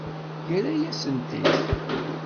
Yerra-yasent-t-id.